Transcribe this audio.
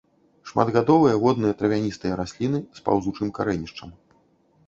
Шматгадовыя водныя травяністыя расліны з паўзучым карэнішчам.